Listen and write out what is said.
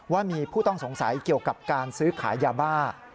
ว่ามีผู้ต้องสงสัยเกี่ยวกับการซื้อขายยาบ้า